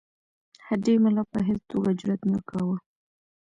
هډې ملا په هیڅ توګه جرأت نه کاوه.